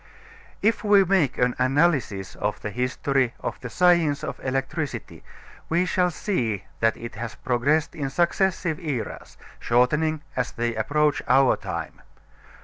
If we make an analysis of the history of the science of electricity we shall see that it has progressed in successive eras, shortening as they approach our time.